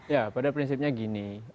ya pada prinsipnya gini